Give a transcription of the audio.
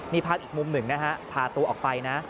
นี่ภาพอีกมุมหนึ่งนะฮะพาตัวออกไปนะ